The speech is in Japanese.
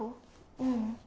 ・ううん。